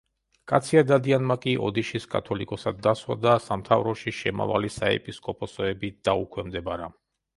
კაცია დადიანმა კი ოდიშის კათოლიკოსად დასვა და სამთავროში შემავალი საეპისკოპოსოები დაუქვემდებარა.